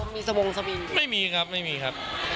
มีสมงสมิงหรือเปล่าไม่มีครับไม่มีครับ